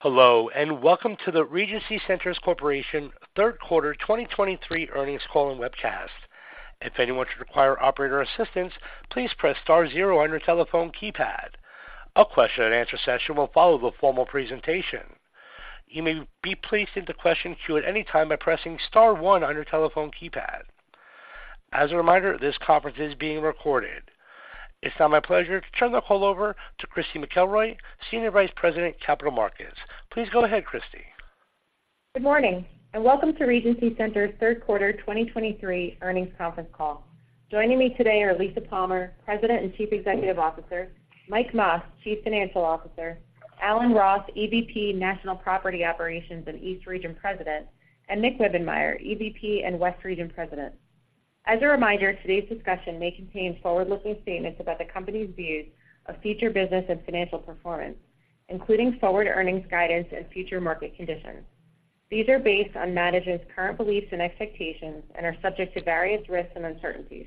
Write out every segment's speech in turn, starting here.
Hello, and welcome to the Regency Centers Corporation third quarter 2023 earnings call and webcast. If anyone should require operator assistance, please press star zero on your telephone keypad. A question-and-answer session will follow the formal presentation. You may be placed into question queue at any time by pressing star one on your telephone keypad. As a reminder, this conference is being recorded. It's now my pleasure to turn the call over to Christy McElroy, Senior Vice President, Capital Markets. Please go ahead, Christy. Good morning, and welcome to Regency Centers' third quarter 2023 earnings conference call. Joining me today are Lisa Palmer, President and Chief Executive Officer, Mike Mas, Chief Financial Officer, Alan Roth, EVP, National Property Operations and East Region President, and Nick Wibbenmeyer, EVP and West Region President. As a reminder, today's discussion may contain forward-looking statements about the company's views of future business and financial performance, including forward earnings guidance and future market conditions. These are based on management's current beliefs and expectations and are subject to various risks and uncertainties.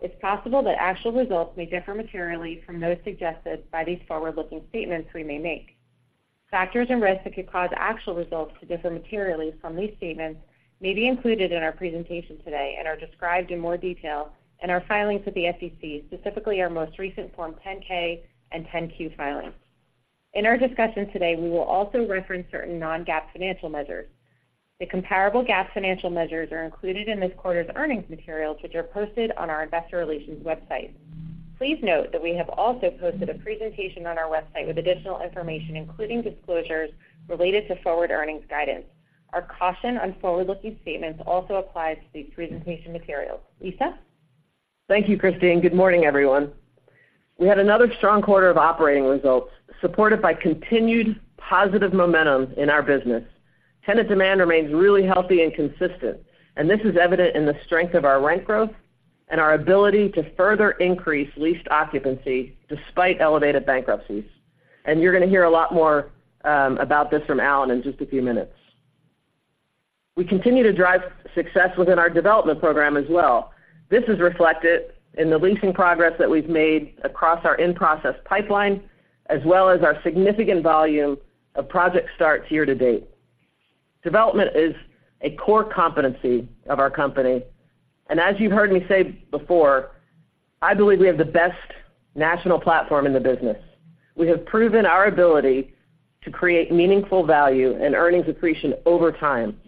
It's possible that actual results may differ materially from those suggested by these forward-looking statements we may make. Factors and risks that could cause actual results to differ materially from these statements may be included in our presentation today and are described in more detail in our filings with the SEC, specifically our most recent Form 10-K and 10-Q filings. In our discussion today, we will also reference certain non-GAAP financial measures. The comparable GAAP financial measures are included in this quarter's earnings materials, which are posted on our investor relations website. Please note that we have also posted a presentation on our website with additional information, including disclosures related to forward earnings guidance. Our caution on forward-looking statements also applies to these presentation materials. Lisa? Thank you, Christy, and good morning, everyone. We had another strong quarter of operating results, supported by continued positive momentum in our business. Tenant demand remains really healthy and consistent, and this is evident in the strength of our rent growth and our ability to further increase leased occupancy despite elevated bankruptcies. You're going to hear a lot more about this from Alan in just a few minutes. We continue to drive success within our development program as well. This is reflected in the leasing progress that we've made across our in-process pipeline, as well as our significant volume of project starts year to date. Development is a core competency of our company, and as you've heard me say before, I believe we have the best national platform in the business. We have proven our ability to create meaningful value and earnings accretion over time,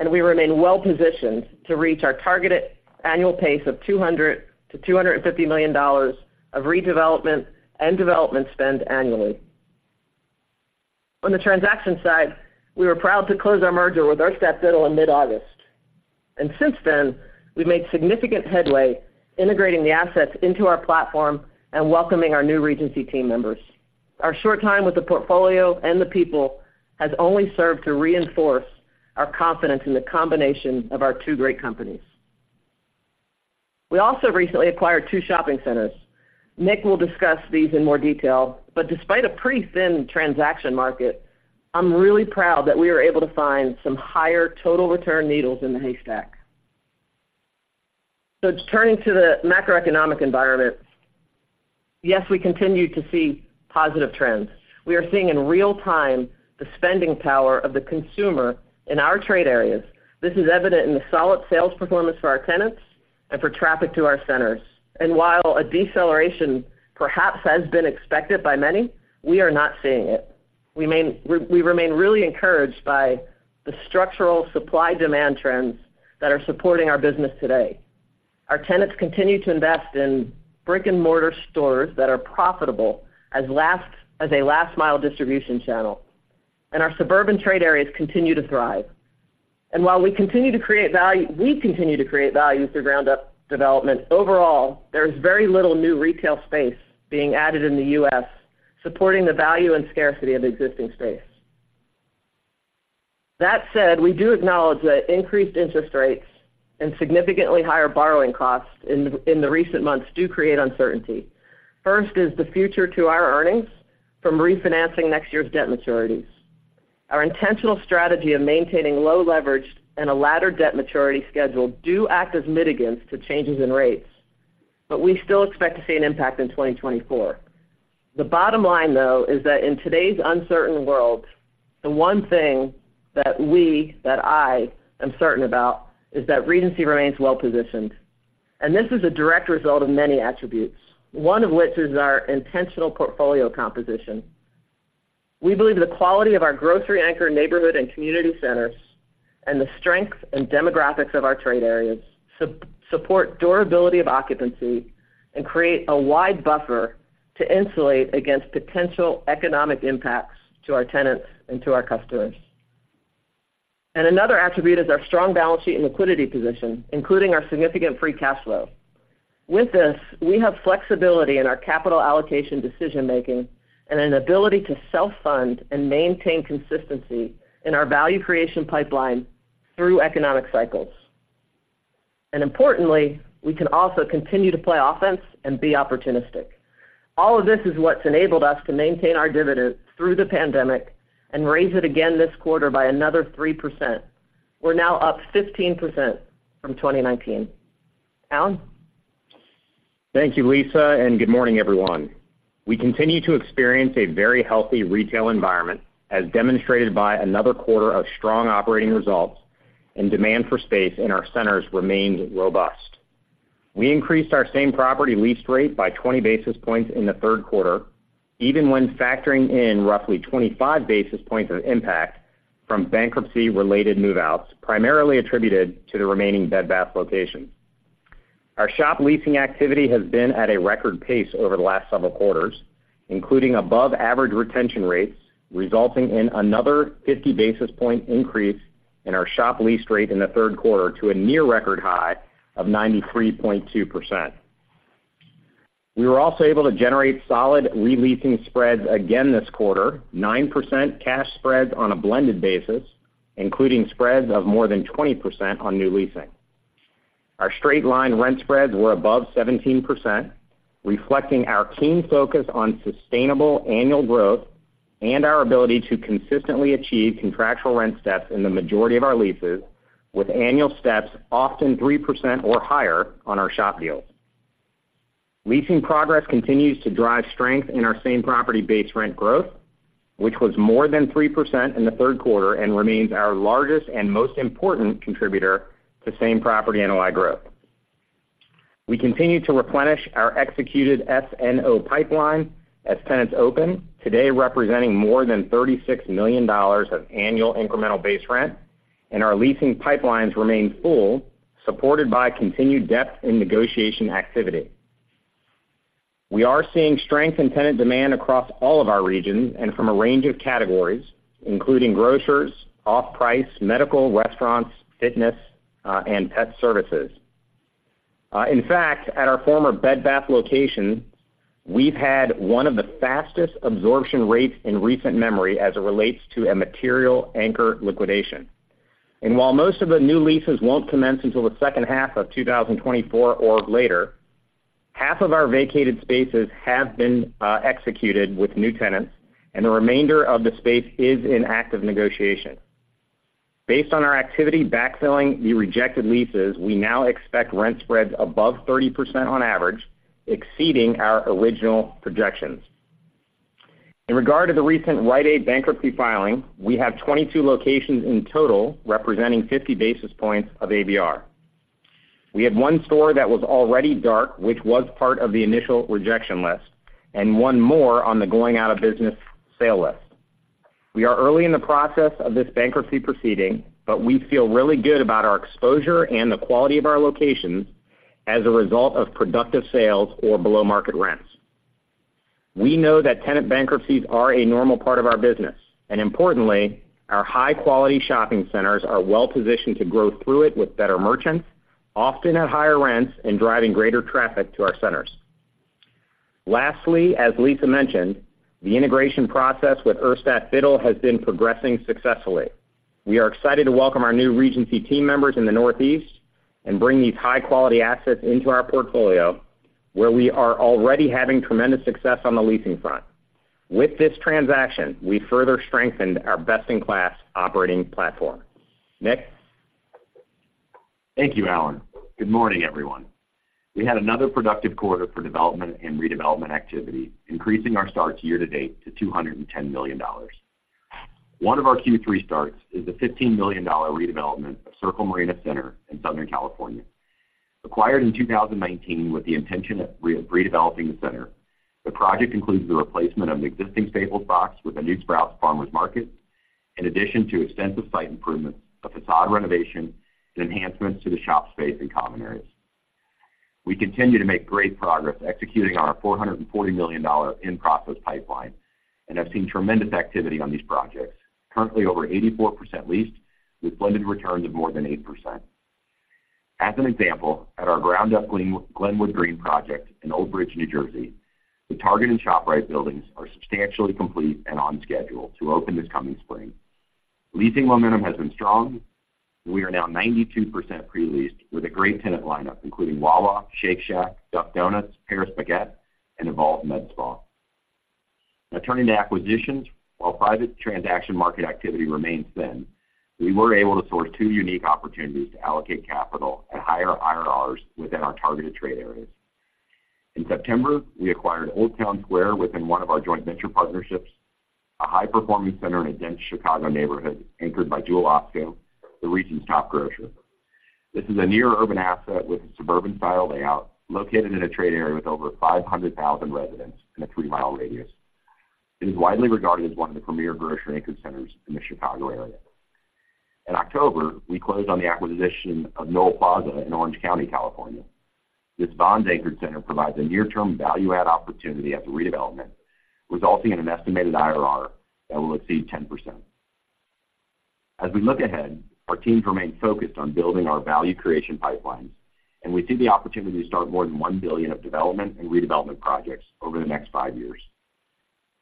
and we remain well positioned to reach our targeted annual pace of $200 million-$250 million of redevelopment and development spend annually. On the transaction side, we were proud to close our merger with Urstadt Biddle in mid-August, and since then, we've made significant headway integrating the assets into our platform and welcoming our new Regency team members. Our short time with the portfolio and the people has only served to reinforce our confidence in the combination of our two great companies. We also recently acquired two shopping centers. Nick will discuss these in more detail, but despite a pretty thin transaction market, I'm really proud that we were able to find some higher total return needles in the haystack. So turning to the macroeconomic environment, yes, we continue to see positive trends. We are seeing in real time the spending power of the consumer in our trade areas. This is evident in the solid sales performance for our tenants and for traffic to our centers. And while a deceleration perhaps has been expected by many, we are not seeing it. We remain really encouraged by the structural supply-demand trends that are supporting our business today. Our tenants continue to invest in brick-and-mortar stores that are profitable as a last-mile distribution channel, and our suburban trade areas continue to thrive. And while we continue to create value, we continue to create value through ground-up development. Overall, there is very little new retail space being added in the U.S., supporting the value and scarcity of existing space. That said, we do acknowledge that increased interest rates and significantly higher borrowing costs in the recent months do create uncertainty. First is the future to our earnings from refinancing next year's debt maturities. Our intentional strategy of maintaining low leverage and a laddered debt maturity schedule do act as mitigants to changes in rates, but we still expect to see an impact in 2024. The bottom line, though, is that in today's uncertain world, the one thing that we, that I am certain about is that Regency remains well positioned, and this is a direct result of many attributes, one of which is our intentional portfolio composition. We believe the quality of our grocery-anchored neighborhood and community centers and the strength and demographics of our trade areas support durability of occupancy and create a wide buffer to insulate against potential economic impacts to our tenants and to our customers. Another attribute is our strong balance sheet and liquidity position, including our significant free cash flow. With this, we have flexibility in our capital allocation decision-making and an ability to self-fund and maintain consistency in our value creation pipeline through economic cycles. Importantly, we can also continue to play offense and be opportunistic. All of this is what's enabled us to maintain our dividend through the pandemic and raise it again this quarter by another 3%. We're now up 15% from 2019. Alan? Thank you, Lisa, and good morning, everyone. We continue to experience a very healthy retail environment, as demonstrated by another quarter of strong operating results, and demand for space in our centers remains robust. We increased our same property lease rate by 20 basis points in the third quarter, even when factoring in roughly 25 basis points of impact from bankruptcy-related move-outs, primarily attributed to the remaining Bed Bath locations. Our shop leasing activity has been at a record pace over the last several quarters, including above-average retention rates, resulting in another 50 basis point increase in our shop lease rate in the third quarter to a near record high of 93.2%. We were also able to generate solid re-leasing spreads again this quarter, 9% cash spreads on a blended basis, including spreads of more than 20% on new leasing. Our straight line rent spreads were above 17%, reflecting our keen focus on sustainable annual growth and our ability to consistently achieve contractual rent steps in the majority of our leases, with annual steps often 3% or higher on our shop deals. Leasing progress continues to drive strength in our same property base rent growth, which was more than 3% in the third quarter and remains our largest and most important contributor to same property NOI growth. We continue to replenish our executed SNO pipeline as tenants open, today representing more than $36 million of annual incremental base rent, and our leasing pipelines remain full, supported by continued depth in negotiation activity. We are seeing strength in tenant demand across all of our regions and from a range of categories, including grocers, off-price, medical, restaurants, fitness, and pet services. In fact, at our former Bed Bath location, we've had one of the fastest absorption rates in recent memory as it relates to a material anchor liquidation. While most of the new leases won't commence until the second half of 2024 or later, half of our vacated spaces have been executed with new tenants, and the remainder of the space is in active negotiation. Based on our activity backfilling the rejected leases, we now expect rent spreads above 30% on average, exceeding our original projections. In regard to the recent Rite Aid bankruptcy filing, we have 22 locations in total, representing 50 basis points of ABR. We had one store that was already dark, which was part of the initial rejection list, and one more on the going out of business sale list. We are early in the process of this bankruptcy proceeding, but we feel really good about our exposure and the quality of our locations as a result of productive sales or below-market rents. We know that tenant bankruptcies are a normal part of our business, and importantly, our high-quality shopping centers are well positioned to grow through it with better merchants, often at higher rents and driving greater traffic to our centers. Lastly, as Lisa mentioned, the integration process with Urstadt Biddle has been progressing successfully. We are excited to welcome our new Regency team members in the Northeast and bring these high-quality assets into our portfolio, where we are already having tremendous success on the leasing front. With this transaction, we further strengthened our best-in-class operating platform. Nick? Thank you, Alan. Good morning, everyone. We had another productive quarter for development and redevelopment activity, increasing our starts year-to-date to $210 million. One of our Q3 starts is the $15 million redevelopment of Circle Marina Center in Southern California. Acquired in 2019, with the intention of redeveloping the center, the project includes the replacement of an existing Staples box with a new Sprouts Farmers Market, in addition to extensive site improvements, a facade renovation, and enhancements to the shop space and common areas. We continue to make great progress executing on our $440 million in-process pipeline and have seen tremendous activity on these projects, currently over 84% leased, with blended returns of more than 8%. As an example, at our ground-up Glenwood Green project in Old Bridge, New Jersey, the Target and ShopRite buildings are substantially complete and on schedule to open this coming spring. Leasing momentum has been strong. We are now 92% pre-leased with a great tenant lineup, including Wawa, Shake Shack, Duck Donuts, Paris Baguette, and Evolve Med Spa. Now turning to acquisitions. While private transaction market activity remains thin, we were able to source two unique opportunities to allocate capital at higher IRRs within our targeted trade areas. In September, we acquired Old Town Square within one of our joint venture partnerships, a high-performing center in a dense Chicago neighborhood, anchored by Jewel-Osco, the region's top grocer. This is a near-urban asset with a suburban-style layout, located in a trade area with over 500,000 residents in a 3-mi radius. It is widely regarded as one of the premier grocery-anchored centers in the Chicago area. In October, we closed on the acquisition of Nohl Plaza in Orange County, California. This Vons-anchored center provides a near-term value add opportunity at the redevelopment, resulting in an estimated IRR that will exceed 10%. As we look ahead, our teams remain focused on building our value creation pipelines, and we see the opportunity to start more than $1 billion of development and redevelopment projects over the next five years.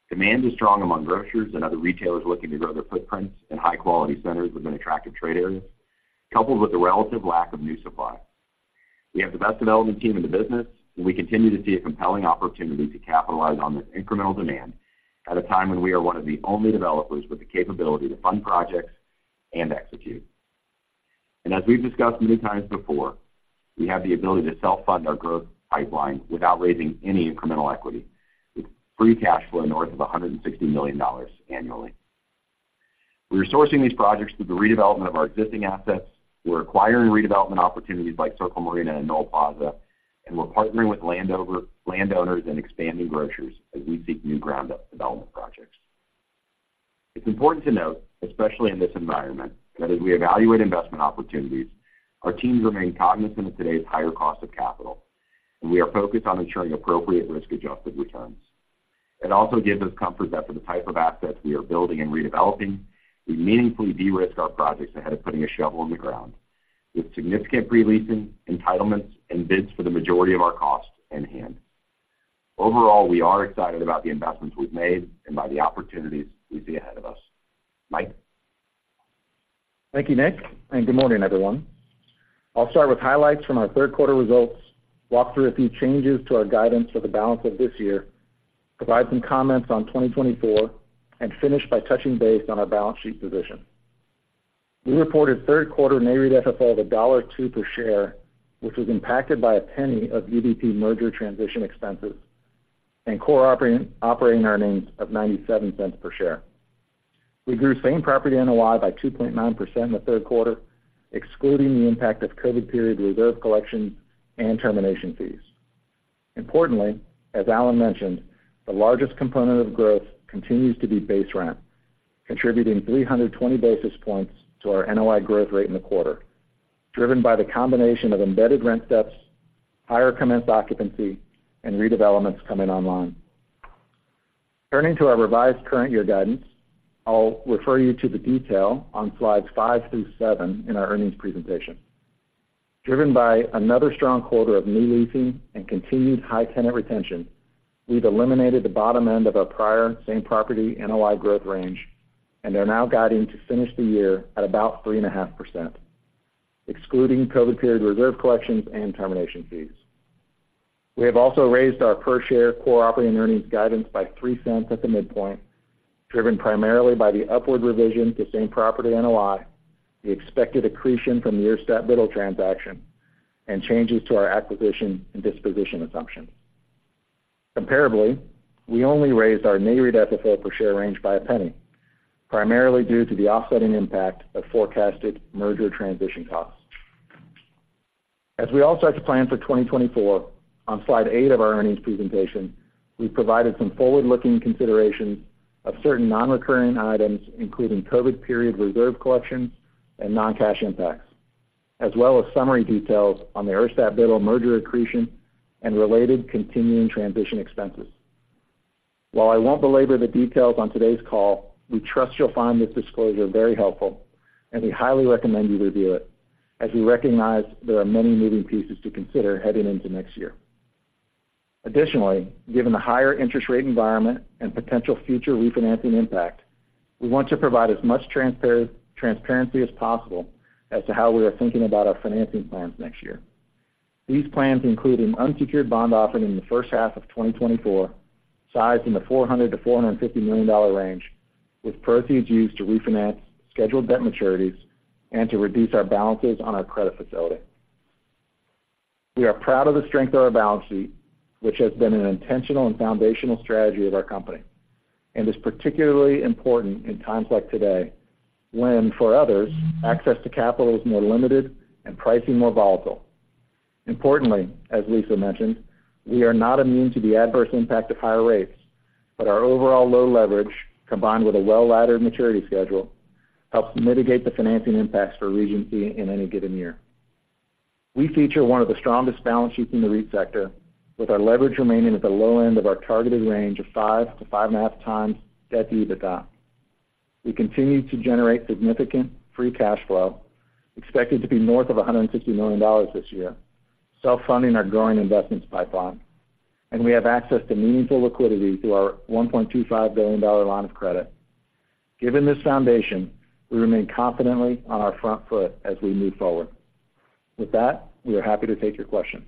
Demand is strong among grocers and other retailers looking to grow their footprints in high-quality centers within attractive trade areas, coupled with the relative lack of new supply. We have the best development team in the business, and we continue to see a compelling opportunity to capitalize on this incremental demand at a time when we are one of the only developers with the capability to fund projects and execute. And as we've discussed many times before, we have the ability to self-fund our growth pipeline without raising any incremental equity, with free cash flow north of $160 million annually. We're sourcing these projects through the redevelopment of our existing assets. We're acquiring redevelopment opportunities like Circle Marina and Nohl Plaza, and we're partnering with landowners and expanding grocers as we seek new ground-up development projects. It's important to note, especially in this environment, that as we evaluate investment opportunities, our teams remain cognizant of today's higher cost of capital, and we are focused on ensuring appropriate risk-adjusted returns. It also gives us comfort that for the type of assets we are building and redeveloping, we meaningfully de-risk our projects ahead of putting a shovel in the ground, with significant pre-leasing, entitlements, and bids for the majority of our costs in hand. Overall, we are excited about the investments we've made and by the opportunities we see ahead of us. Mike? Thank you, Nick, and good morning, everyone. I'll start with highlights from our third quarter results, walk through a few changes to our guidance for the balance of this year, provide some comments on 2024, and finish by touching base on our balance sheet position. We reported third quarter NAREIT FFO of $1.02 per share, which was impacted by $0.01 of UBP merger transition expenses and core operating earnings of $0.97 per share. We grew same-property NOI by 2.9% in the third quarter, excluding the impact of COVID-period reserve collection and termination fees. Importantly, as Alan mentioned, the largest component of growth continues to be base rent, contributing 320 basis points to our NOI growth rate in the quarter, driven by the combination of embedded rent steps, higher commenced occupancy, and redevelopments coming online. Turning to our revised current year guidance, I'll refer you to the detail on slides 5 through 7 in our earnings presentation. Driven by another strong quarter of new leasing and continued high tenant retention, we've eliminated the bottom end of our prior Same-Property NOI growth range and are now guiding to finish the year at about 3.5%, excluding COVID-period reserve collections and termination fees. We have also raised our per-share Core Operating Earnings guidance by $0.03 at the midpoint, driven primarily by the upward revision to Same-Property NOI, the expected accretion from the Urstadt Biddle transaction, and changes to our acquisition and disposition assumptions. Comparably, we only raised our NAREIT FFO per share range by $0.01, primarily due to the offsetting impact of forecasted merger transition costs. As we all start to plan for 2024, on slide 8 of our earnings presentation, we've provided some forward-looking considerations of certain non-recurring items, including COVID period reserve collections and non-cash impacts, as well as summary details on the Urstadt Biddle merger accretion and related continuing transition expenses. While I won't belabor the details on today's call, we trust you'll find this disclosure very helpful, and we highly recommend you review it, as we recognize there are many moving pieces to consider heading into next year. Additionally, given the higher interest rate environment and potential future refinancing impact, we want to provide as much transparency as possible as to how we are thinking about our financing plans next year. These plans include an unsecured bond offering in the first half of 2024, sized in the $400 million-$450 million range, with proceeds used to refinance scheduled debt maturities and to reduce our balances on our credit facility. We are proud of the strength of our balance sheet, which has been an intentional and foundational strategy of our company, and is particularly important in times like today, when, for others, access to capital is more limited and pricing more volatile. Importantly, as Lisa mentioned, we are not immune to the adverse impact of higher rates, but our overall low leverage, combined with a well-laddered maturity schedule, helps mitigate the financing impacts for Regency in any given year. We feature one of the strongest balance sheets in the REIT sector, with our leverage remaining at the low end of our targeted range of 5x-5.5x debt to EBITDA. We continue to generate significant free cash flow, expected to be north of $160 million this year, self-funding our growing investments pipeline, and we have access to meaningful liquidity through our $1.25 billion line of credit. Given this foundation, we remain confidently on our front foot as we move forward. With that, we are happy to take your questions.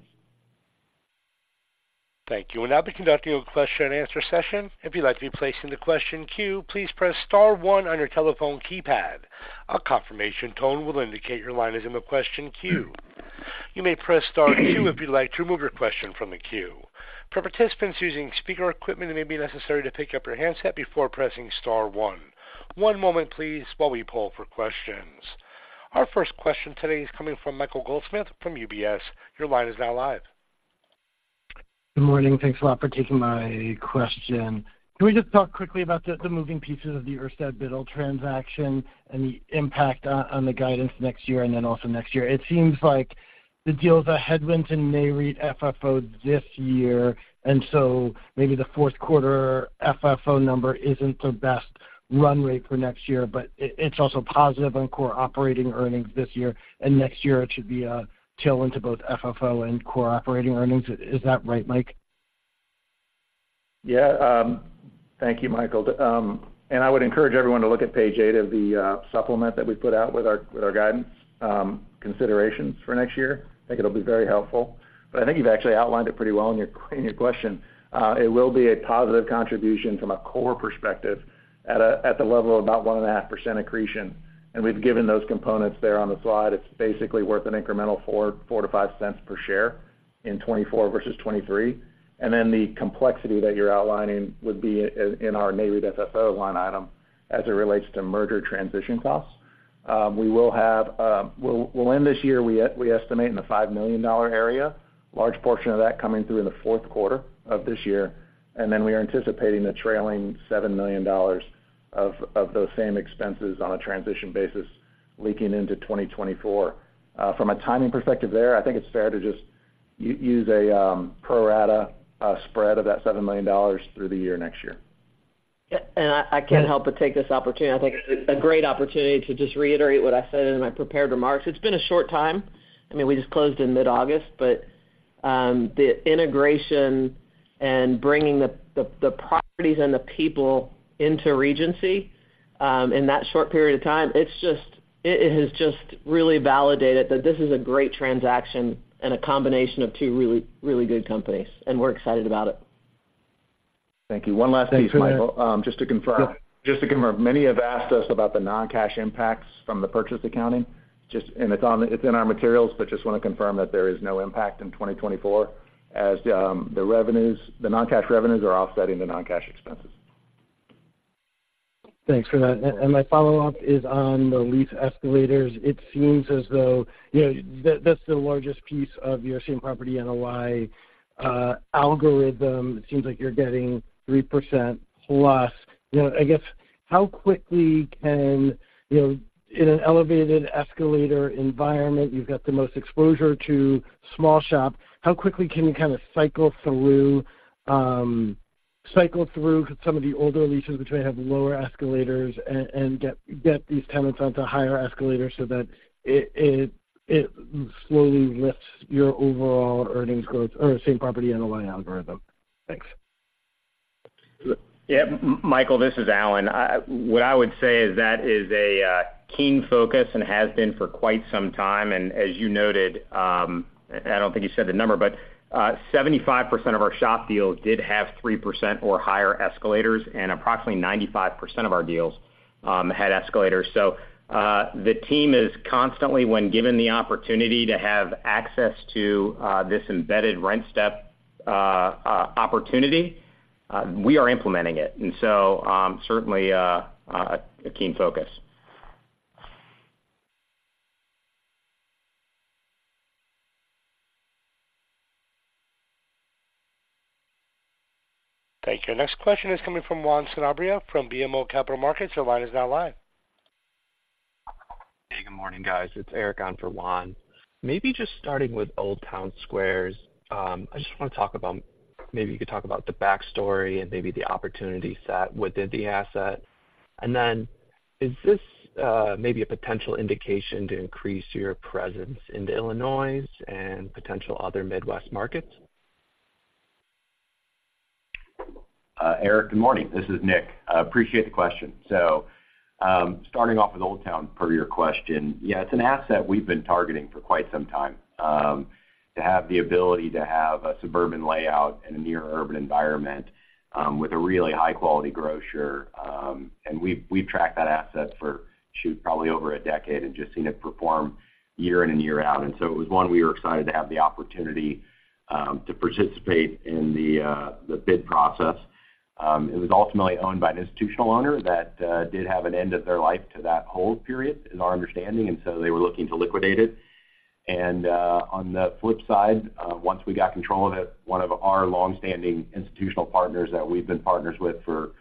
Thank you. We'll now be conducting a question-and-answer session. If you'd like to be placed in the question queue, please press star one on your telephone keypad. A confirmation tone will indicate your line is in the question queue. You may press star two if you'd like to remove your question from the queue. For participants using speaker equipment, it may be necessary to pick up your handset before pressing star one. One moment, please, while we poll for questions. Our first question today is coming from Michael Goldsmith from UBS. Your line is now live. Good morning, thanks a lot for taking my question. Can we just talk quickly about the moving pieces of the Urstadt Biddle transaction and the impact on the guidance next year and then also next year? It seems like the deal is a headwind in NAREIT FFO this year, and so maybe the fourth quarter FFO number isn't the best run rate for next year, but it's also positive on core operating earnings this year. And next year, it should be a tailwind to both FFO and core operating earnings. Is that right, Mike? Yeah. Thank you, Michael. And I would encourage everyone to look at page 8 of the supplement that we put out with our guidance considerations for next year. I think it'll be very helpful, but I think you've actually outlined it pretty well in your question. It will be a positive contribution from a core perspective at the level of about 1.5% accretion, and we've given those components there on the slide. It's basically worth an incremental $0.4-$0.5 per share in 2024 versus 2023. And then the complexity that you're outlining would be in our NAREIT FFO line item as it relates to merger transition costs. We will have, we'll end this year, we estimate in the $5 million area, large portion of that coming through in the fourth quarter of this year. And then we are anticipating a trailing $7 million of those same expenses on a transition basis leaking into 2024. From a timing perspective there, I think it's fair to just use a pro rata spread of that $7 million through the year next year. I can't help but take this opportunity. I think it's a great opportunity to just reiterate what I said in my prepared remarks. It's been a short time. I mean, we just closed in mid-August, but the integration and bringing the properties and the people into Regency in that short period of time, it's just it has just really validated that this is a great transaction and a combination of two really, really good companies, and we're excited about it. Thank you. One last piece, Michael, just to confirm. Sure. Just to confirm, many have asked us about the non-cash impacts from the purchase accounting. Just, and it's in our materials, but just want to confirm that there is no impact in 2024, as the revenues, the non-cash revenues are offsetting the non-cash expenses. Thanks for that. And my follow-up is on the lease escalators. It seems as though, you know, that's the largest piece of your same-property NOI algorithm. It seems like you're getting 3% plus. You know, I guess, how quickly can, you know, in an elevated escalator environment, you've got the most exposure to small shop, how quickly can you kind of cycle through cycle through some of the older leases, which may have lower escalators, and get these tenants onto higher escalators so that it slowly lifts your overall earnings growth or same-property NOI algorithm? Thanks. Yeah, Michael, this is Alan. What I would say is that is a keen focus and has been for quite some time. As you noted, I don't think you said the number, but 75% of our shop deals did have 3% or higher escalators, and approximately 95% of our deals had escalators. The team is constantly, when given the opportunity to have access to this embedded rent step opportunity, we are implementing it, and so certainly a keen focus. Thank you. Next question is coming from Juan Sanabria from BMO Capital Markets. Your line is now live. Hey, good morning, guys. It's Eric on for Juan. Maybe just starting with Old Town Square, I just want to talk about, maybe you could talk about the back story and maybe the opportunity set within the asset. And then, is this maybe a potential indication to increase your presence into Illinois and potential other Midwest markets? Eric, good morning. This is Nick. I appreciate the question. So, starting off with Old Town, per your question, yeah, it's an asset we've been targeting for quite some time. To have the ability to have a suburban layout in a near urban environment, with a really high-quality grocer, and we've tracked that asset for probably over a decade and just seen it perform year in and year out. And so it was one we were excited to have the opportunity to participate in the the bid process. It was ultimately owned by an institutional owner that did have an end of their life to that hold period, is our understanding, and so they were looking to liquidate it. On the flip side, once we got control of it, one of our long-standing institutional partners that we've been partners with for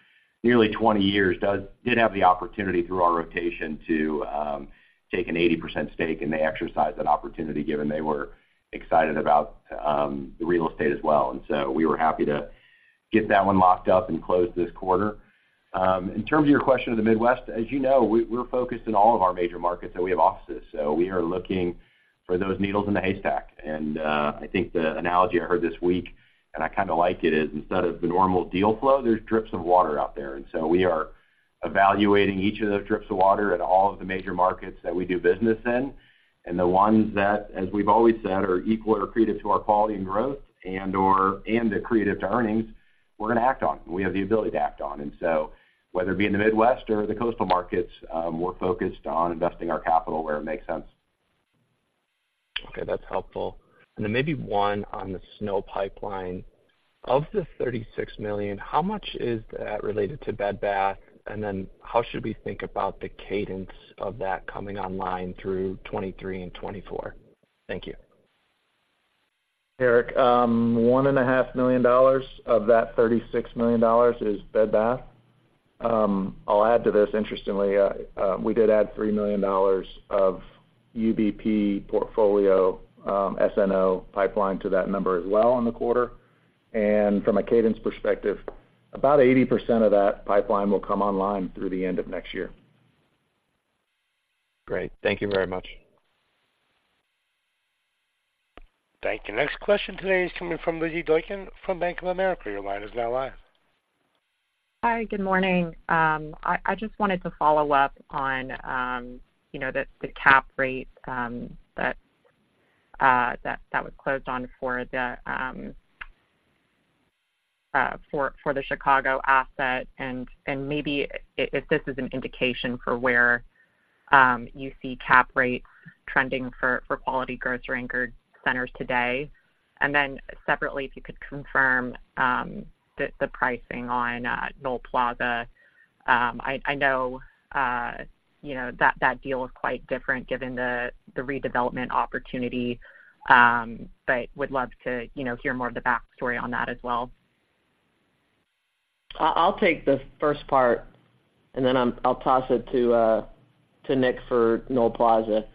nearly 20 years, did have the opportunity through our rotation to take an 80% stake, and they exercised that opportunity, given they were excited about the real estate as well. So we were happy to get that one locked up and closed this quarter. In terms of your question of the Midwest, as you know, we're focused in all of our major markets that we have offices. So we are looking for those needles in the haystack. I think the analogy I heard this week, and I kind of like it, is instead of the normal deal flow, there's drips of water out there. We are evaluating each of those drips of water at all of the major markets that we do business in. The ones that, as we've always said, are equal or accretive to our quality and growth and/or and accretive to earnings, we're gonna act on, we have the ability to act on. Whether it be in the Midwest or the coastal markets, we're focused on investing our capital where it makes sense. Okay, that's helpful. And then maybe one on the SNO pipeline. Of the $36 million, how much is that related to Bed Bath? And then how should we think about the cadence of that coming online through 2023 and 2024? Thank you. Eric, $1.5 million of that $36 million is Bed Bath. I'll add to this, interestingly, we did add $3 million of UBP portfolio SNO pipeline to that number as well in the quarter. From a cadence perspective, about 80% of that pipeline will come online through the end of next year. Great. Thank you very much. Thank you. Next question today is coming from Lizzy Doykan from Bank of America. Your line is now live. Hi, good morning. I just wanted to follow up on, you know, the cap rate, that was closed on for the Chicago asset. And maybe if this is an indication for where you see cap rates trending for quality grocery-anchored centers today. And then separately, if you could confirm the pricing on Nohl Plaza. I know, you know, that deal is quite different given the redevelopment opportunity, but would love to, you know, hear more of the backstory on that as well? I'll take the first part, and then I'll toss it to Nick for Nohl Plaza.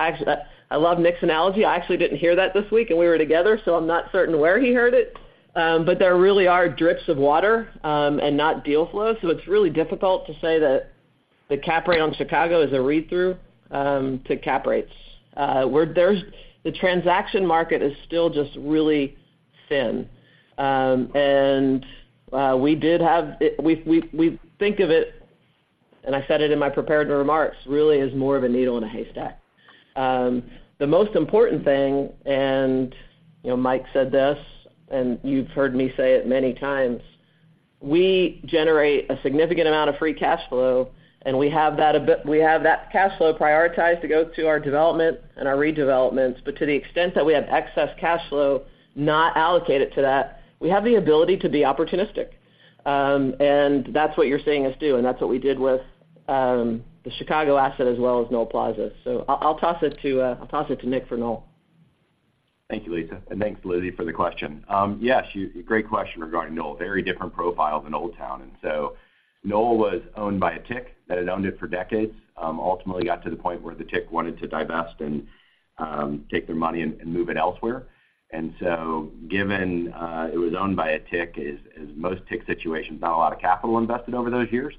Actually, I love Nick's analogy. I actually didn't hear that this week, and we were together, so I'm not certain where he heard it. But there really are drips of water, and not deal flow. So it's really difficult to say that the cap rate on Chicago is a read-through to cap rates. We're. There's the transaction market is still just really thin. And we did have it. We think of it, and I said it in my prepared remarks, really as more of a needle in a haystack. The most important thing, and, you know, Mike said this, and you've heard me say it many times, we generate a significant amount of free cash flow, and we have that cash flow prioritized to go to our development and our redevelopments. But to the extent that we have excess cash flow not allocated to that, we have the ability to be opportunistic. And that's what you're seeing us do, and that's what we did with the Chicago asset as well as Nohl Plaza. So I'll toss it to Nick for Nohl. Thank you, Lisa, and thanks, Lizzy, for the question. Yes, great question regarding Nohl. Very different profile than Old Town. Nohl was owned by a TIC that had owned it for decades. Ultimately, got to the point where the TIC wanted to divest and take their money and move it elsewhere. Given it was owned by a TIC, as most TIC situations, not a lot of capital invested over those years.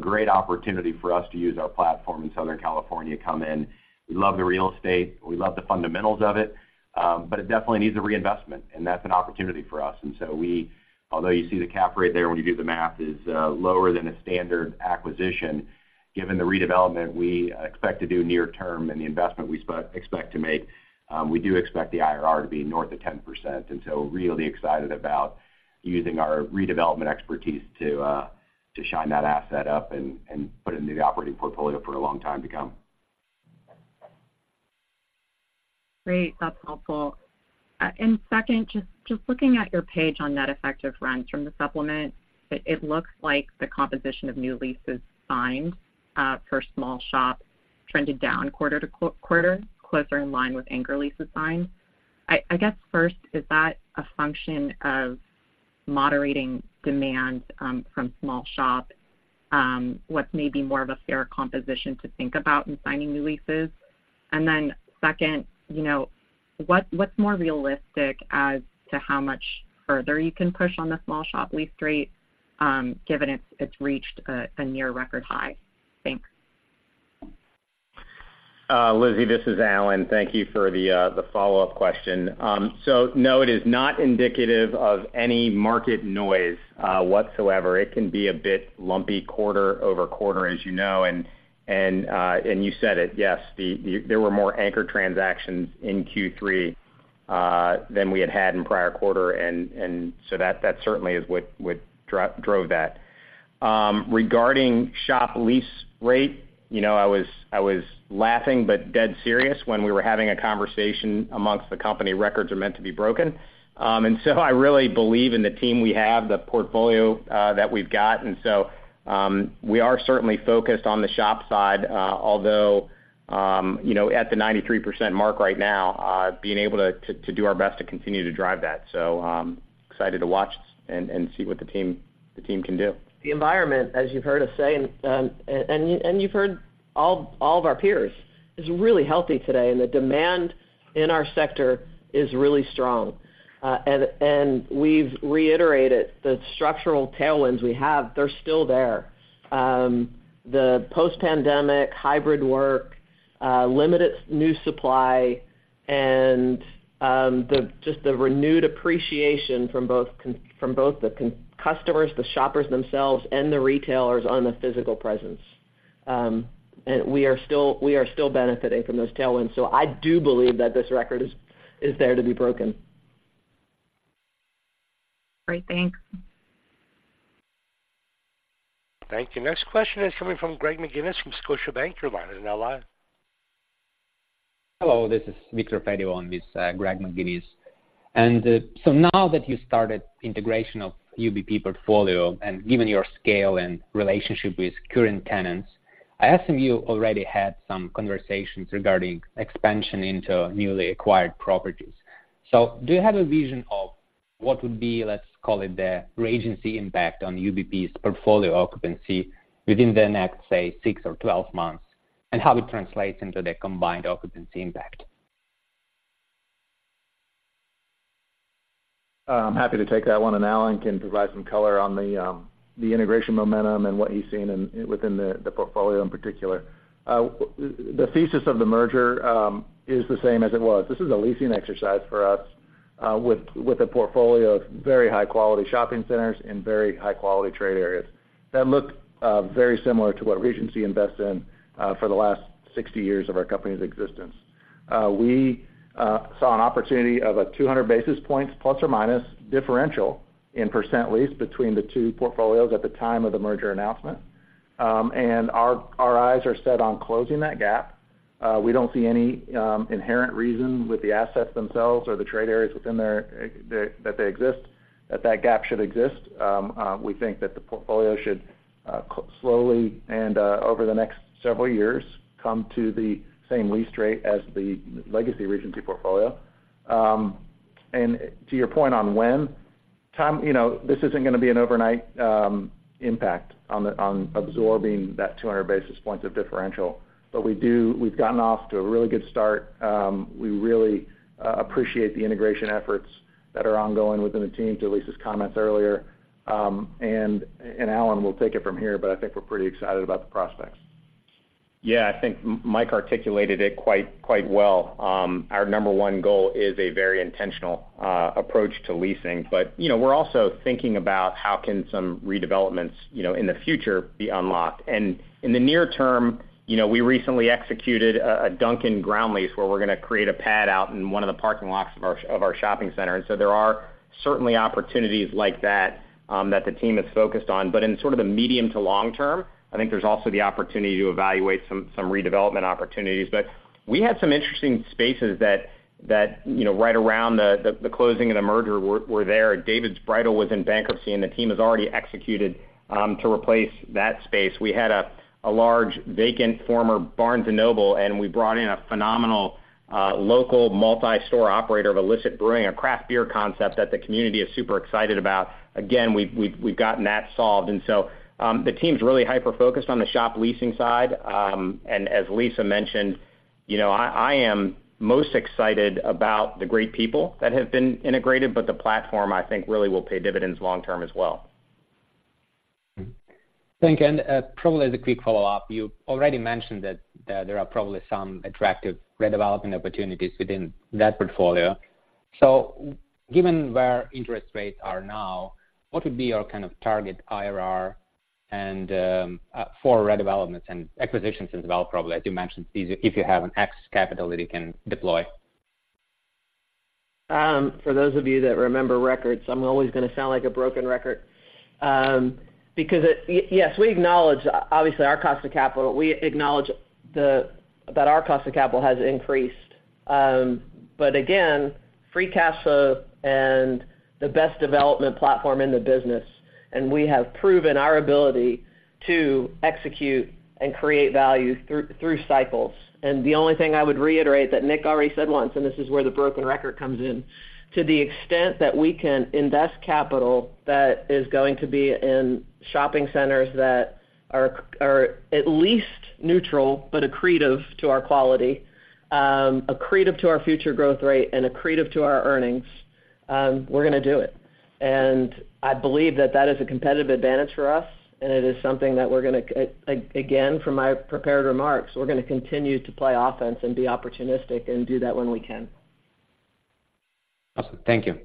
Great opportunity for us to use our platform in Southern California, come in. We love the real estate, we love the fundamentals of it, but it definitely needs a reinvestment, and that's an opportunity for us. Although you see the cap rate there, when you do the math, is lower than a standard acquisition. Given the redevelopment, we expect to do near term and the investment we expect to make, we do expect the IRR to be north of 10%. And so really excited about using our redevelopment expertise to shine that asset up and put it into the operating portfolio for a long time to come. Great. That's helpful. And second, just looking at your page on net effective rents from the supplement, it looks like the composition of new leases signed for small shops trended down quarter-to-quarter, closer in line with anchor leases signed. I guess first, is that a function of moderating demand from small shop? What's maybe more of a fair composition to think about in signing new leases? And then second, you know, what's more realistic as to how much further you can push on the small shop lease rate, given it's reached a near record high? Thanks. Lizzy, this is Alan. Thank you for the follow-up question. So no, it is not indicative of any market noise whatsoever. It can be a bit lumpy quarter-over-quarter, as you know, and you said it, yes, there were more anchor transactions in Q3 than we had had in prior quarter. And so that certainly is what drove that. Regarding shop lease rate, you know, I was laughing, but dead serious when we were having a conversation amongst the company. Records are meant to be broken. And so I really believe in the team we have, the portfolio that we've got. And so, we are certainly focused on the shop side, although, you know, at the 93% mark right now, being able to do our best to continue to drive that. So, excited to watch this and see what the team can do. The environment, as you've heard us say, and you've heard all of our peers, is really healthy today, and the demand in our sector is really strong. We've reiterated the structural tailwinds we have, they're still there. The post-pandemic, hybrid work, limited new supply, and just the renewed appreciation from both the customers, the shoppers themselves, and the retailers on the physical presence. We are still benefiting from those tailwinds, so I do believe that this record is there to be broken. Great. Thanks. Thank you. Next question is coming from Greg McGinnis from Scotiabank. Your line is now live. Hello, this is Viktor Fedun with Greg McGinnis. So now that you started integration of UBP portfolio and given your scale and relationship with current tenants, I assume you already had some conversations regarding expansion into newly acquired properties. So do you have a vision of what would be, let's call it, the Regency impact on UBP's portfolio occupancy within the next, say, six or 12 months, and how it translates into the combined occupancy impact? I'm happy to take that one, and Alan can provide some color on the integration momentum and what he's seeing in the portfolio in particular. The thesis of the merger is the same as it was. This is a leasing exercise for us with a portfolio of very high-quality shopping centers and very high-quality trade areas that look very similar to what Regency invested in for the last 60 years of our company's existence. We saw an opportunity of a 200 basis points ± differential in percent leased between the two portfolios at the time of the merger announcement. And our eyes are set on closing that gap. We don't see any inherent reason with the assets themselves or the trade areas within them that they exist, that gap should exist. We think that the portfolio should slowly and over the next several years come to the same lease rate as the legacy Regency portfolio. And to your point on when, Tom, you know, this isn't gonna be an overnight impact on absorbing that 200 basis points of differential. But we've gotten off to a really good start. We really appreciate the integration efforts that are ongoing within the team, to Lisa's comments earlier. Alan will take it from here, but I think we're pretty excited about the prospects. Yeah, I think Mike articulated it quite, quite well. Our number one goal is a very intentional approach to leasing. But, you know, we're also thinking about how can some redevelopments, you know, in the future be unlocked. And in the near term, you know, we recently executed a Dunkin' ground lease, where we're gonna create a pad out in one of the parking lots of our shopping center. And so there are certainly opportunities like that that the team is focused on. But in sort of the medium to long term, I think there's also the opportunity to evaluate some redevelopment opportunities. But we had some interesting spaces that, you know, right around the closing and the merger were there. David's Bridal was in bankruptcy, and the team has already executed to replace that space. We had a large, vacant former Barnes & Noble, and we brought in a phenomenal local multi-store operator of Elicit Brewing, a craft beer concept that the community is super excited about. Again, we've gotten that solved. And so, the team's really hyper-focused on the shop leasing side. And as Lisa mentioned, you know, I am most excited about the great people that have been integrated, but the platform, I think, really will pay dividends long term as well. Mm-hmm. Thank you. And, probably as a quick follow-up, you already mentioned that there are probably some attractive redeveloping opportunities within that portfolio. So given where interest rates are now, what would be your kind of target IRR and for redevelopments and acquisitions and development, probably, as you mentioned, if you have excess capital that you can deploy? For those of you that remember records, I'm always gonna sound like a broken record. Because, yes, we acknowledge, obviously, our cost of capital. We acknowledge that our cost of capital has increased. But again, free cash flow and the best development platform in the business, and we have proven our ability to execute and create value through cycles. And the only thing I would reiterate that Nick already said once, and this is where the broken record comes in, to the extent that we can invest capital that is going to be in shopping centers that are at least neutral, but accretive to our quality, accretive to our future growth rate and accretive to our earnings, we're gonna do it. I believe that that is a competitive advantage for us, and it is something that we're gonna again, from my prepared remarks, we're gonna continue to play offense and be opportunistic and do that when we can. Awesome. Thank you.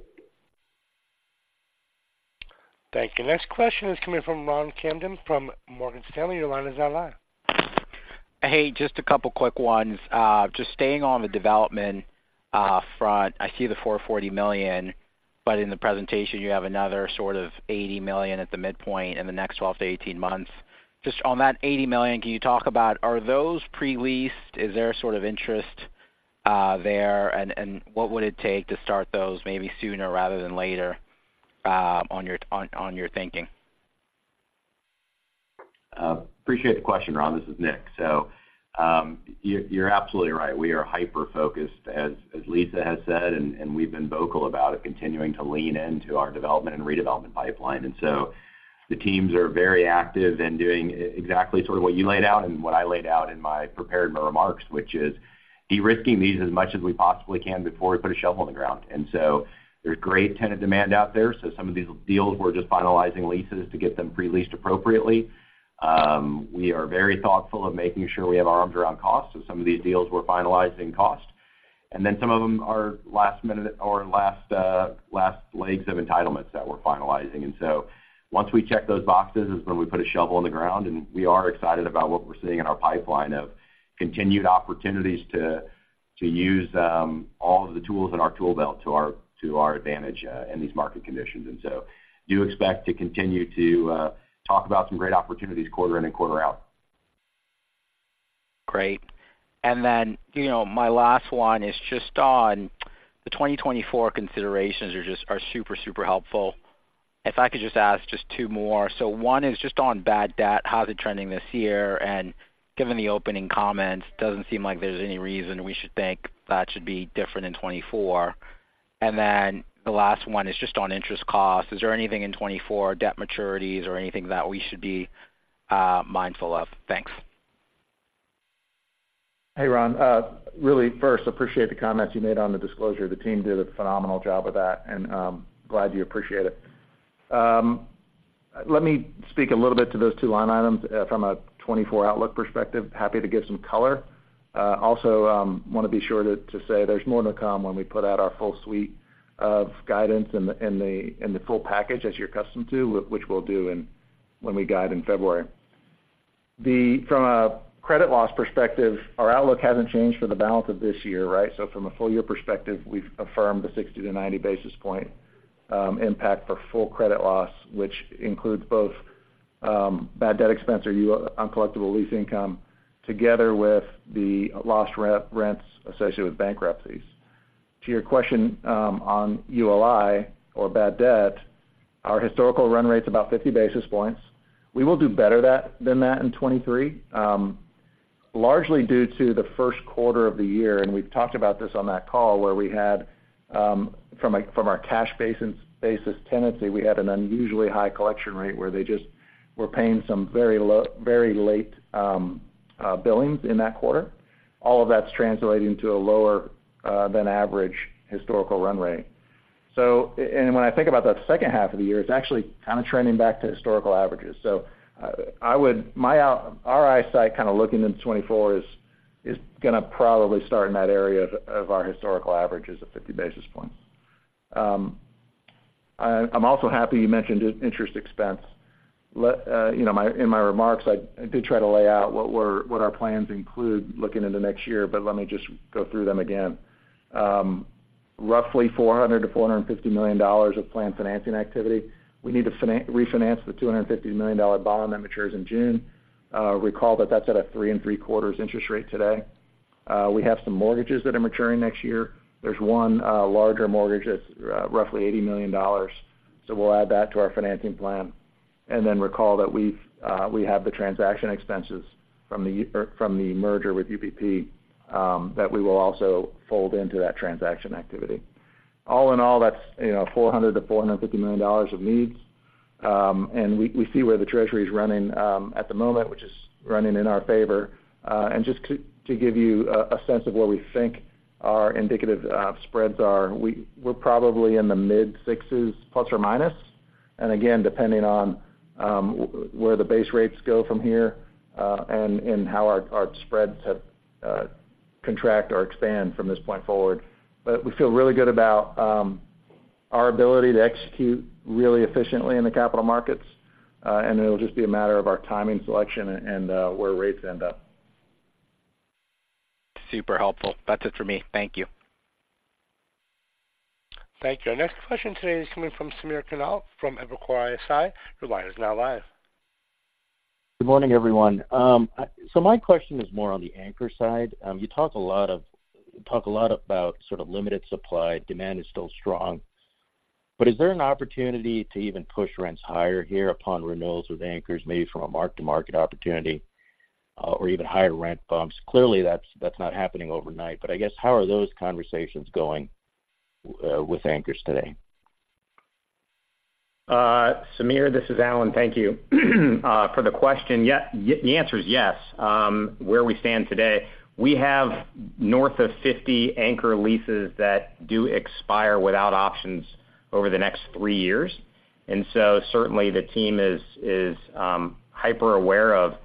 Thank you. Next question is coming from Ron Kamdem from Morgan Stanley. Your line is now live. Hey, just a couple quick ones. Just staying on the development front, I see the $440 million, but in the presentation, you have another sort of $80 million at the midpoint in the next 12 months-18 months. Just on that $80 million, can you talk about, are those pre-leased? Is there sort of interest there, and what would it take to start those maybe sooner rather than later, on your thinking? Appreciate the question, Ron. This is Nick. So, you're, you're absolutely right. We are hyper-focused, as Lisa has said, and we've been vocal about it, continuing to lean into our development and redevelopment pipeline. So the teams are very active in doing exactly sort of what you laid out and what I laid out in my prepared remarks, which is de-risking these as much as we possibly can before we put a shovel in the ground. So there's great tenant demand out there, so some of these deals we're just finalizing leases to get them pre-leased appropriately. We are very thoughtful of making sure we have our arms around cost, so some of these deals we're finalizing cost. And then some of them are last minute or last legs of entitlements that we're finalizing. And so once we check those boxes is when we put a shovel in the ground, and we are excited about what we're seeing in our pipeline of continued opportunities to, to use all of the tools in our tool belt to our, to our advantage in these market conditions. And so do expect to continue to talk about some great opportunities quarter in and quarter out. Great. And then, you know, my last one is just on the 2024 considerations are just- are super, super helpful. If I could just ask just two more. So one is just on bad debt, how's it trending this year? And given the opening comments, doesn't seem like there's any reason we should think that should be different in 2024. And then the last one is just on interest cost. Is there anything in 2024, debt maturities or anything that we should be mindful of? Thanks. Hey, Ron. Really, first, appreciate the comments you made on the disclosure. The team did a phenomenal job with that, and glad you appreciate it. Let me speak a little bit to those two line items from a 2024 outlook perspective. Happy to give some color. Also, wanna be sure to say there's more to come when we put out our full suite of guidance in the full package, as you're accustomed to, which we'll do when we guide in February. From a credit loss perspective, our outlook hasn't changed for the balance of this year, right? From a full year perspective, we've affirmed the 60 basis point-90 basis point impact for full credit loss, which includes both bad debt expense or uncollectible lease income, together with the lost rents associated with bankruptcies. To your question on ULI or bad debt, our historical run rate's about 50 basis points. We will do better than that in 2023, largely due to the first quarter of the year, and we've talked about this on that call, where we had from our cash basis tenancy we had an unusually high collection rate where they just were paying some very late billings in that quarter. All of that's translating to a lower than average historical run rate. So, and when I think about that second half of the year, it's actually kind of trending back to historical averages. So, I would our outlook kind of looking into 2024 is, is gonna probably start in that area of, of our historical averages of 50 basis points. I'm also happy you mentioned interest expense. Let me, you know, in my remarks, I, I did try to lay out what our plans include looking into next year, but let me just go through them again. Roughly $400 million-$450 million of planned financing activity. We need to refinance the $250 million bond that matures in June. Recall that that's at a 3.75% interest rate today. We have some mortgages that are maturing next year. There's one larger mortgage that's roughly $80 million, so we'll add that to our financing plan. Then recall that we have the transaction expenses from the merger with UBP that we will also fold into that transaction activity. All in all, that's, you know, $400 million-$450 million of needs. And we see where the Treasury is running at the moment, which is running in our favor. And just to give you a sense of where we think our indicative spreads are, we're probably in the mid-sixes ±, and again, depending on where the base rates go from here, and how our spreads contract or expand from this point forward. But we feel really good about our ability to execute really efficiently in the capital markets, and it'll just be a matter of our timing selection and where rates end up. Super helpful. That's it for me. Thank you. Thank you. Our next question today is coming from Samir Khanal from Evercore ISI. Your line is now live. Good morning, everyone. So my question is more on the anchor side. You talk a lot about sort of limited supply, demand is still strong. But is there an opportunity to even push rents higher here upon renewals with anchors, maybe from a mark-to-market opportunity, or even higher rent bumps? Clearly, that's not happening overnight, but I guess, how are those conversations going with anchors today? Sameer, this is Alan. Thank you for the question. Yeah, the answer is yes. Where we stand today, we have north of 50 anchor leases that do expire without options over the next three years. And so certainly, the team is hyper-aware of,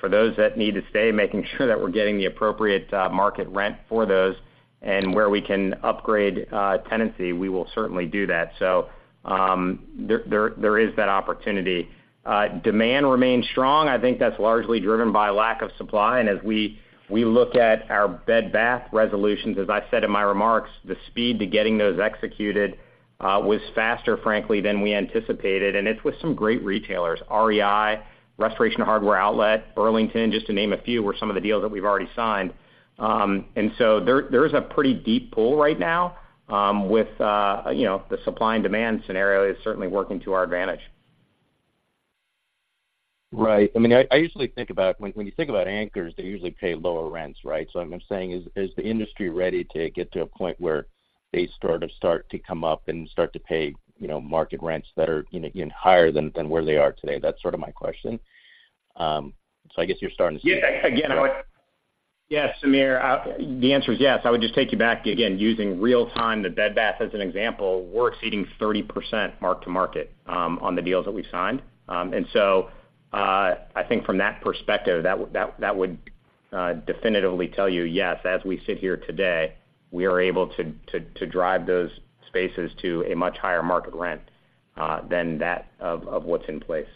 for those that need to stay, making sure that we're getting the appropriate market rent for those, and where we can upgrade tenancy, we will certainly do that. So, there is that opportunity. Demand remains strong. I think that's largely driven by lack of supply, and as we look at our Bed Bath resolutions, as I said in my remarks, the speed to getting those executed was faster, frankly, than we anticipated, and it's with some great retailers. REI, Restoration Hardware Outlet, Burlington, just to name a few, were some of the deals that we've already signed. And so there is a pretty deep pool right now, with, you know, the supply and demand scenario is certainly working to our advantage. Right. I mean, I usually think about, when you think about anchors, they usually pay lower rents, right? So what I'm saying is, is the industry ready to get to a point where they sort of start to come up and start to pay, you know, market rents that are, you know, even higher than where they are today? That's sort of my question. So I guess you're starting to see- Yeah. Again, I would. Yes, Samir, the answer is yes. I would just take you back, again, using real-time, the Bed Bath as an example, we're exceeding 30% mark-to-market on the deals that we've signed. And so, I think from that perspective, that would definitively tell you, yes, as we sit here today, we are able to drive those spaces to a much higher market rent than that of what's in place.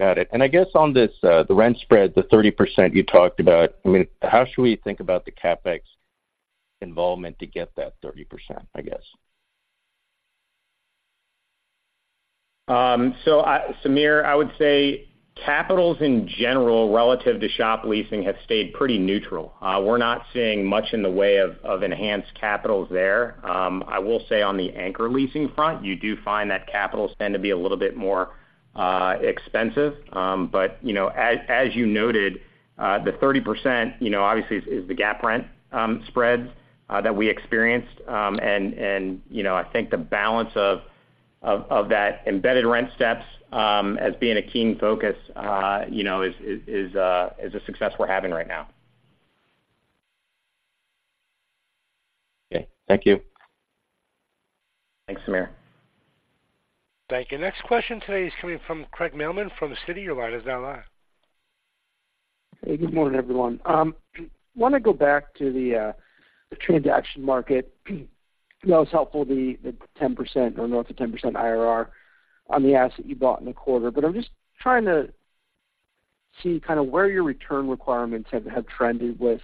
Got it. I guess on this, the rent spread, the 30% you talked about, I mean, how should we think about the CapEx involvement to get that 30%, I guess? So, Samir, I would say cap rates in general, relative to shop leasing, have stayed pretty neutral. We're not seeing much in the way of enhanced cap rates there. I will say on the anchor leasing front, you do find that cap rates tend to be a little bit more expensive. But, you know, as you noted, the 30%, you know, obviously, is the gap rent spreads that we experienced. And, you know, I think the balance of that embedded rent steps as being a keen focus, you know, is a success we're having right now. Okay, thank you. Thanks, Samir. Thank you. Next question today is coming from Craig Mailman from Citi. Your line is now live. Hey, good morning, everyone. Wanna go back to the transaction market. That was helpful, the 10% or north of 10% IRR on the asset you bought in the quarter. But I'm just trying to see kind of where your return requirements have trended with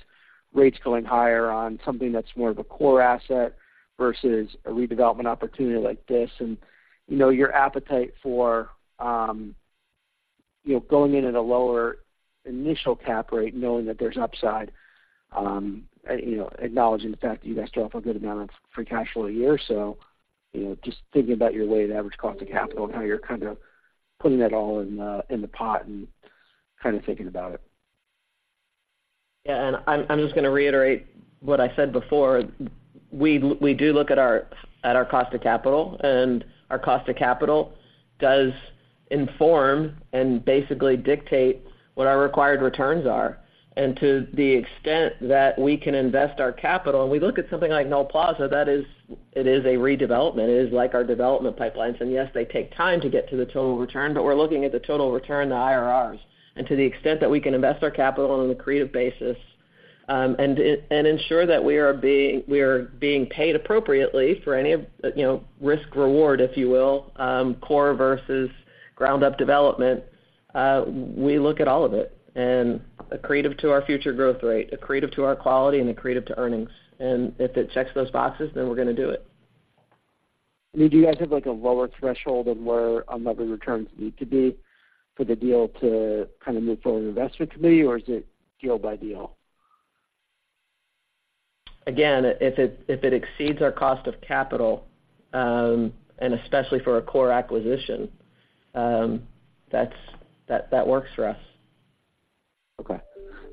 rates going higher on something that's more of a core asset versus a redevelopment opportunity like this. And, you know, your appetite for, you know, going in at a lower initial cap rate, knowing that there's upside, you know, acknowledging the fact that you guys throw off a good amount of free cash flow a year. So, you know, just thinking about your weighted average cost of capital and how you're kind of putting that all in the pot and kind of thinking about it. Yeah, and I'm just gonna reiterate what I said before. We do look at our, at our cost of capital, and our cost of capital does inform and basically dictate what our required returns are. And to the extent that we can invest our capital, and we look at something like Nohl Plaza, that is it is a redevelopment. It is like our development pipelines. And yes, they take time to get to the total return, but we're looking at the total return, the IRRs. And to the extent that we can invest our capital on an accretive basis, and ensure that we are being paid appropriately for any of, you know, risk reward, if you will, core versus ground-up development, we look at all of it. Accretive to our future growth rate, accretive to our quality, and accretive to earnings. If it checks those boxes, then we're gonna do it. Do you guys have, like, a lower threshold of where unlevered returns need to be for the deal to kind of move forward with the investment committee, or is it deal by deal? Again, if it exceeds our cost of capital, and especially for a core acquisition, that works for us. Okay.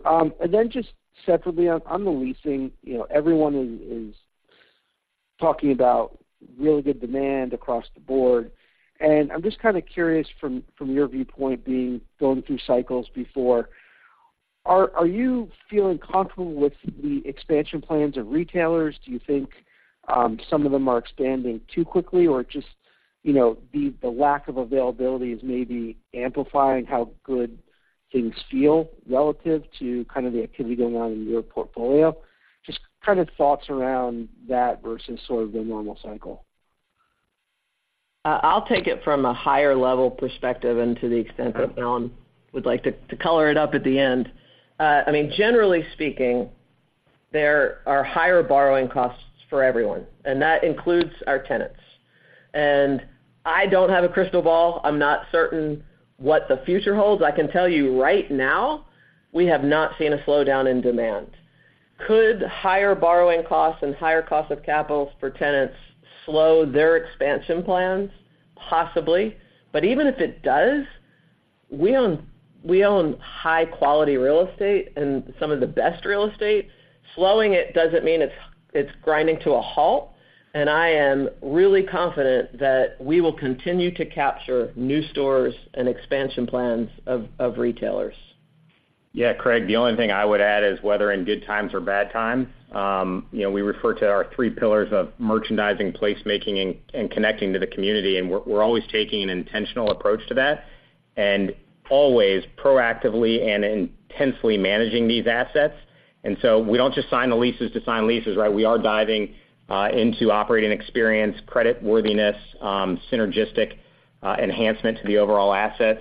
And then just separately, on the leasing, you know, everyone is talking about really good demand across the board, and I'm just kind of curious from your viewpoint, going through cycles before, are you feeling comfortable with the expansion plans of retailers? Do you think some of them are expanding too quickly? Or just, you know, the lack of availability is maybe amplifying how good things feel relative to kind of the activity going on in your portfolio. Just kind of thoughts around that versus sort of the normal cycle. I'll take it from a higher level perspective, and to the extent that Alan would like to color it up at the end. I mean, generally speaking, there are higher borrowing costs for everyone, and that includes our tenants. And I don't have a crystal ball. I'm not certain what the future holds. I can tell you right now, we have not seen a slowdown in demand. Could higher borrowing costs and higher costs of capital for tenants slow their expansion plans? Possibly. But even if it does, we own high-quality real estate and some of the best real estate. Slowing it doesn't mean it's grinding to a halt, and I am really confident that we will continue to capture new stores and expansion plans of retailers. Yeah, Craig, the only thing I would add is whether in good times or bad times, you know, we refer to our three pillars of merchandising, placemaking, and connecting to the community, and we're always taking an intentional approach to that, and always proactively and intensely managing these assets. So we don't just sign the leases to sign leases, right? We are diving into operating experience, creditworthiness, synergistic enhancement to the overall asset.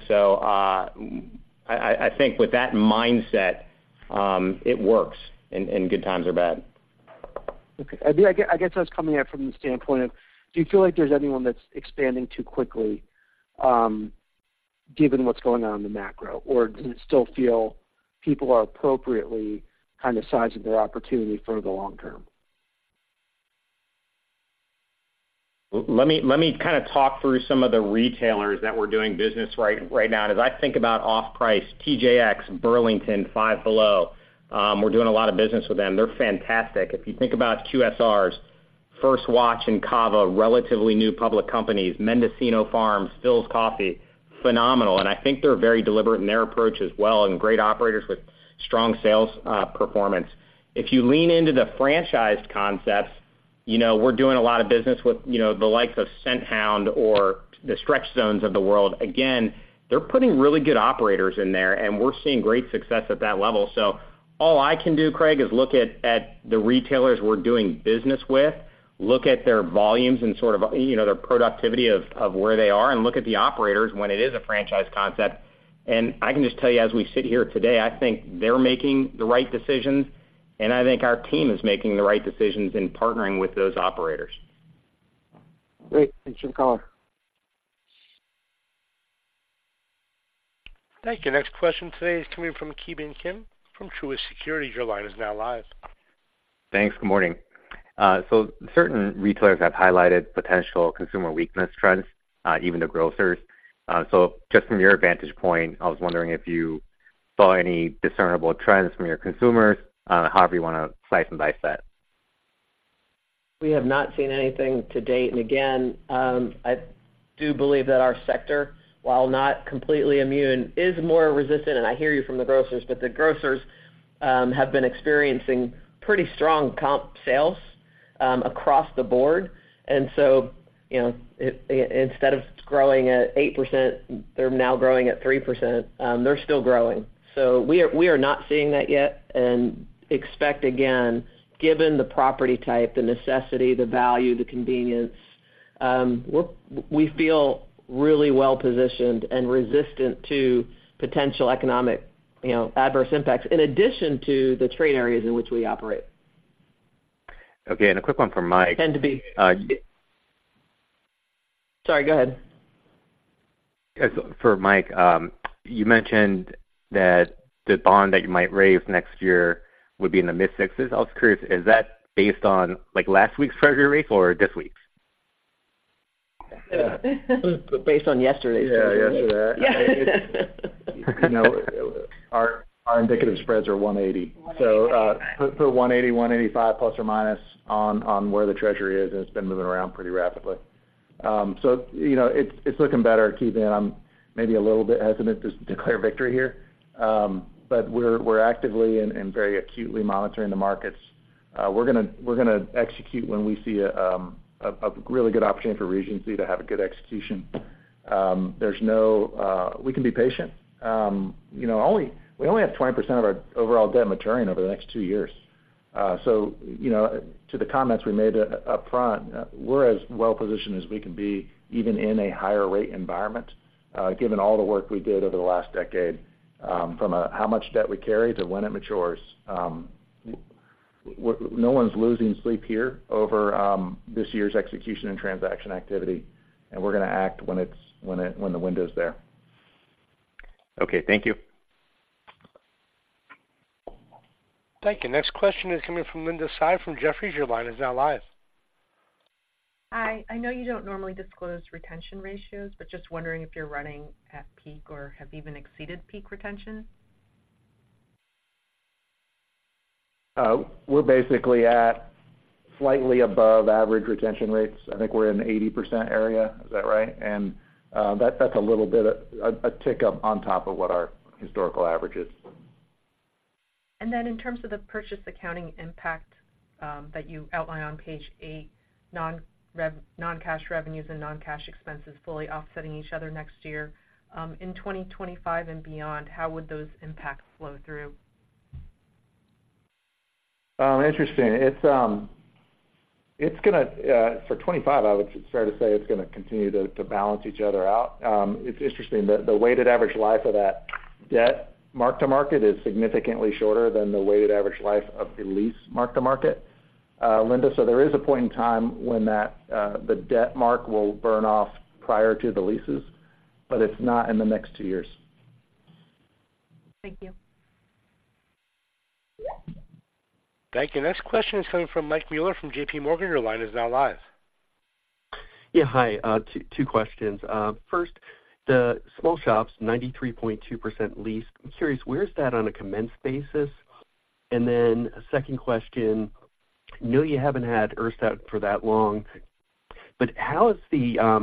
I think with that mindset, it works in good times or bad. Okay. I guess, I guess I was coming at it from the standpoint of, do you feel like there's anyone that's expanding too quickly, given what's going on in the macro? Or do you still feel people are appropriately kind of sizing their opportunity for the long term? Let me, let me kind of talk through some of the retailers that we're doing business right, right now. As I think about off-price, TJX, Burlington, Five Below, we're doing a lot of business with them. They're fantastic. If you think about QSRs, First Watch and CAVA, relatively new public companies, Mendocino Farms, Philz Coffee, phenomenal, and I think they're very deliberate in their approach as well, and great operators with strong sales, performance. If you lean into the franchised concepts, you know, we're doing a lot of business with, you know, the likes of Scenthound or the Stretch Zones of the world. Again, they're putting really good operators in there, and we're seeing great success at that level. So all I can do, Craig, is look at the retailers we're doing business with, look at their volumes and sort of, you know, their productivity of where they are, and look at the operators when it is a franchise concept. And I can just tell you, as we sit here today, I think they're making the right decisions, and I think our team is making the right decisions in partnering with those operators. Great. Thanks for the color. Thank you. Next question today is coming from Ki Bin Kim, from Truist Securities. Your line is now live. Thanks. Good morning. So certain retailers have highlighted potential consumer weakness trends, even the grocers. So just from your vantage point, I was wondering if you saw any discernible trends from your consumers, however you wanna slice and dice that. We have not seen anything to date, and again, I do believe that our sector, while not completely immune, is more resistant. And I hear you from the grocers, but the grocers have been experiencing pretty strong comp sales across the board. And so, you know, instead of growing at 8%, they're now growing at 3%. They're still growing. So we are not seeing that yet, and expect, again, given the property type, the necessity, the value, the convenience, we feel really well positioned and resistant to potential economic, you know, adverse impacts, in addition to the trade areas in which we operate. Okay. A quick one for Mike. Tend to be. Sorry, go ahead. Yes, for Mike. You mentioned that the bond that you might raise next year would be in the mid-6s. I was curious, is that based on, like, last week's Treasury rate or this week's? Based on yesterday's. Yeah, yesterday. You know, our indicative spreads are 180. So, put 180, 185±, on where the Treasury is, and it's been moving around pretty rapidly. So, you know, it's looking better, Ki Bin, and I'm maybe a little bit hesitant to declare victory here. But we're actively and very acutely monitoring the markets. We're gonna execute when we see a really good opportunity for Regency to have a good execution. There's no, we can be patient. You know, we only have 20% of our overall debt maturing over the next 2 years. So, you know, to the comments we made up front, we're as well positioned as we can be, even in a higher rate environment, given all the work we did over the last decade, from how much debt we carry to when it matures. No one's losing sleep here over this year's execution and transaction activity, and we're gonna act when it's, when it, when the window's there. Okay. Thank you. Thank you. Next question is coming from Linda Tsai from Jefferies. Your line is now live. Hi. I know you don't normally disclose retention ratios, but just wondering if you're running at peak or have even exceeded peak retention? We're basically at slightly above average retention rates. I think we're in the 80% area. Is that right? And, that's a little bit of a tick up on top of what our historical average is. Then in terms of the purchase accounting impact, that you outline on page 8, non-cash revenues and non-cash expenses fully offsetting each other next year, in 2025 and beyond, how would those impacts flow through? Interesting. It's gonna, for 2025, I would start to say it's gonna continue to balance each other out. It's interesting, the weighted average life of that debt, mark-to-market, is significantly shorter than the weighted average life of the lease, mark-to-market, Linda. So there is a point in time when the debt mark will burn off prior to the leases, but it's not in the next two years. Thank you. Thank you. Next question is coming from Mike Mueller from JPMorgan. Your line is now live. Yeah, hi. Two questions. First, the small shops, 93.2% leased. I'm curious, where is that on a commenced basis? And then second question, I know you haven't had Urstadt out for that long, but how is the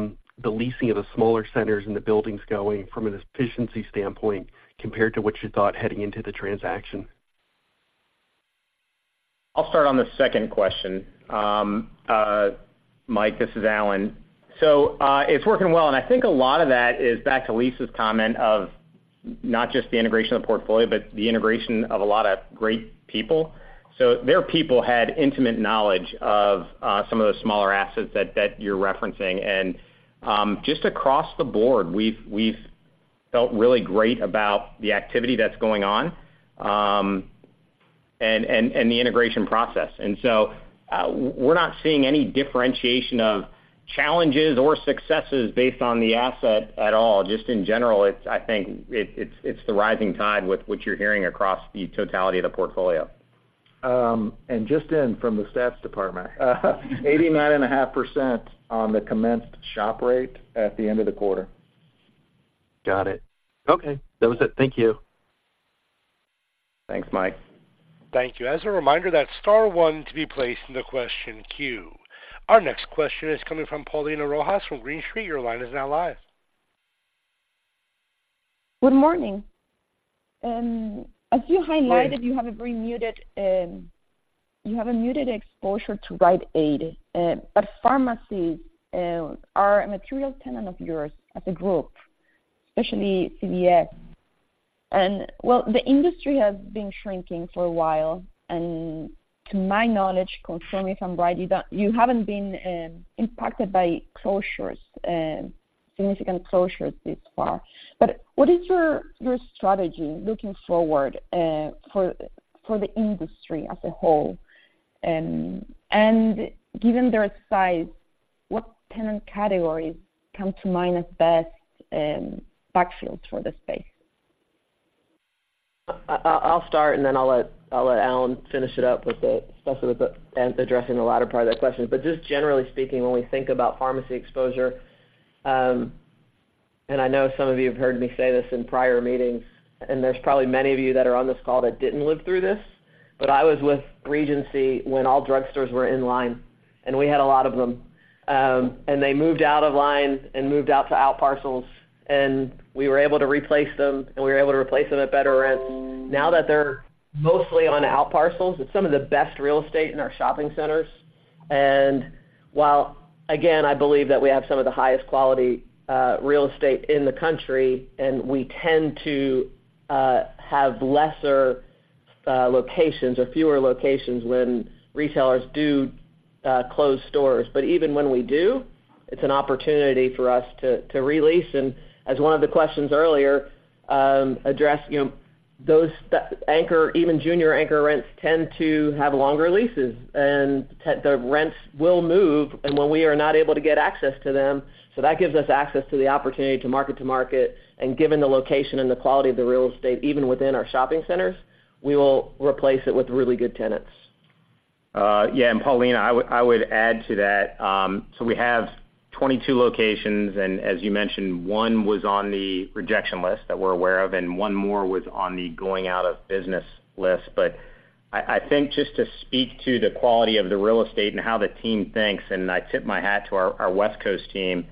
leasing of the smaller centers and the buildings going from an efficiency standpoint compared to what you thought heading into the transaction? I'll start on the second question. Mike, this is Alan. So, it's working well, and I think a lot of that is back to Lisa's comment of not just the integration of the portfolio, but the integration of a lot of great people. So their people had intimate knowledge of some of the smaller assets that you're referencing. And just across the board, we've felt really great about the activity that's going on, and the integration process. And so, we're not seeing any differentiation of challenges or successes based on the asset at all. Just in general, it's. I think it's the rising tide with what you're hearing across the totality of the portfolio. And just in from the stats department, 89.5% on the commenced shop rate at the end of the quarter. Got it. Okay, that was it. Thank you. Thanks, Mike. Thank you. As a reminder, that's star one to be placed in the question queue. Our next question is coming from Paulina Rojas from Green Street. Your line is now live. Good morning. As you highlighted- Good morning. You have a muted exposure to Rite Aid, but pharmacies are a material tenant of yours as a group, especially CVS. Well, the industry has been shrinking for a while, and to my knowledge, correct me if I'm right, you haven't been impacted by closures, significant closures this far. But what is your strategy looking forward for the industry as a whole? And given their size, what tenant categories come to mind as best backfills for the space? I'll start, and then I'll let Alan finish it up, especially addressing the latter part of that question. But just generally speaking, when we think about pharmacy exposure, and I know some of you have heard me say this in prior meetings, and there's probably many of you that are on this call that didn't live through this, but I was with Regency when all drugstores were in line, and we had a lot of them. And they moved out of line and moved out to outparcels, and we were able to replace them, and we were able to replace them at better rents. Now that they're mostly on outparcels, it's some of the best real estate in our shopping centers. And while, again, I believe that we have some of the highest quality real estate in the country, and we tend to have lesser locations or fewer locations when retailers do close stores. But even when we do, it's an opportunity for us to re-lease. And as one of the questions earlier addressed, you know, those anchor, even junior anchor rents, tend to have longer leases, and the rents will move, and when we are not able to get access to them. So that gives us access to the opportunity to mark-to-market, and given the location and the quality of the real estate, even within our shopping centers, we will replace it with really good tenants. Yeah, and Paulina, I would, I would add to that. So we have 22 locations, and as you mentioned, one was on the rejection list that we're aware of, and one more was on the going out of business list. But I, I think just to speak to the quality of the real estate and how the team thinks, and I tip my hat to our, our West Coast team,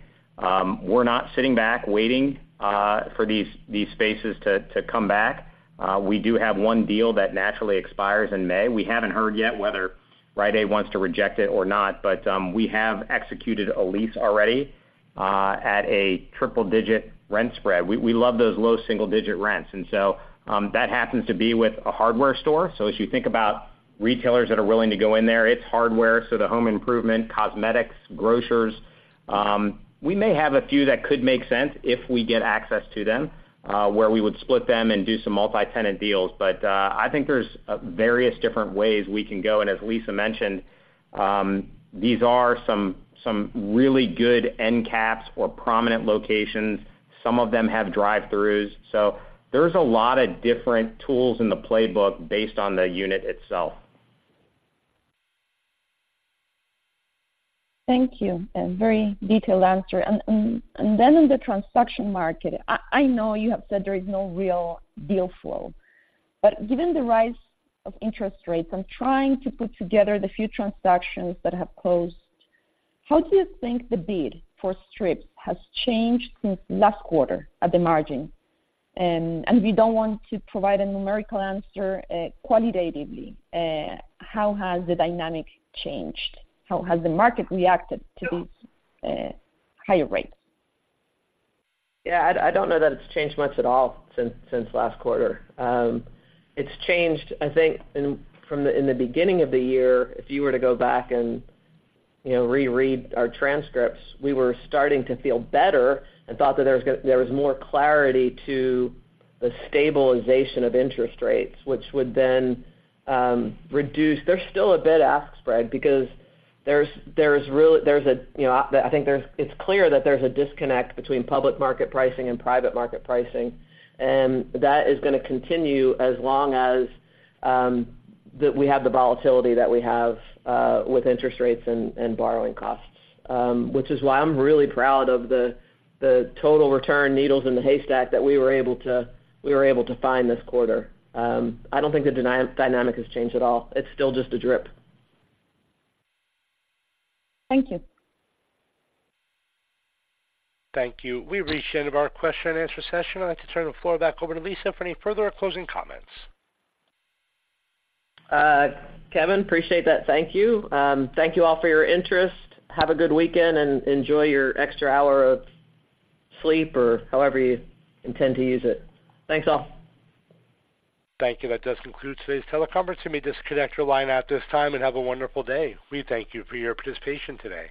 we're not sitting back waiting for these, these spaces to, to come back. We do have one deal that naturally expires in May. We haven't heard yet whether Rite Aid wants to reject it or not, but we have executed a lease already at a triple-digit rent spread. We, we love those low single-digit rents, and so that happens to be with a hardware store. So as you think about retailers that are willing to go in there, it's hardware, so the home improvement, cosmetics, grocers. We may have a few that could make sense if we get access to them, where we would split them and do some multi-tenant deals. But, I think there's various different ways we can go, and as Lisa mentioned, these are some, some really good end caps or prominent locations. Some of them have drive-throughs, so there's a lot of different tools in the playbook based on the unit itself. Thank you, and very detailed answer. And then in the transaction market, I know you have said there is no real deal flow, but given the rise of interest rates, I'm trying to put together the few transactions that have closed. How do you think the bid for strips has changed since last quarter at the margin? And we don't want to provide a numerical answer, qualitatively, how has the dynamic changed? How has the market reacted to these higher rates? Yeah, I don't know that it's changed much at all since last quarter. It's changed, I think, from the beginning of the year, if you were to go back and, you know, reread our transcripts, we were starting to feel better and thought that there was more clarity to the stabilization of interest rates, which would then reduce. There's still a bid-ask spread because there's really a disconnect between public market pricing and private market pricing, and that is gonna continue as long as we have the volatility that we have with interest rates and borrowing costs. Which is why I'm really proud of the total return needles in the haystack that we were able to find this quarter. I don't think the dynamic has changed at all. It's still just a drip. Thank you. Thank you. We've reached the end of our question and answer session. I'd like to turn the floor back over to Lisa for any further closing comments. Kevin, appreciate that. Thank you. Thank you all for your interest. Have a good weekend, and enjoy your extra hour of sleep or however you intend to use it. Thanks, all. Thank you. That does conclude today's teleconference. You may disconnect your line at this time, and have a wonderful day. We thank you for your participation today.